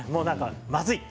まずい。